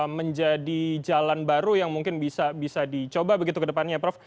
menjadi jalan baru yang mungkin bisa dicoba begitu ke depannya prof